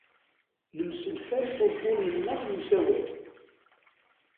Nemsenfal uḍḍunen-nneɣ n usawal.